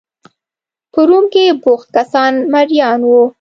په روم کې بوخت کسان مریان وو.